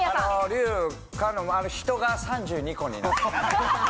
「龍華」の「人」が３２個になる。